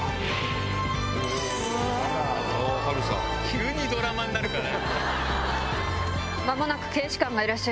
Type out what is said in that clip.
急にドラマになるから。